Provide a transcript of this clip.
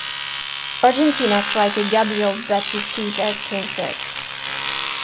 Argentina striker Gabriel Batistuta came third.